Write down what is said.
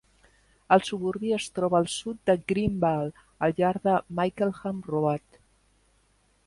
El suburbi es troba al sud de Greenvale, al llarg de Mickleham Road.